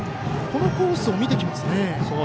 このコースも見てきますね。